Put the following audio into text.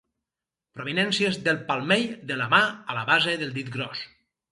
Prominències del palmell de la mà a la base del dit gros.